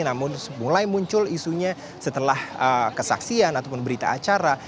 namun mulai muncul isunya setelah kesaksian ataupun berita acara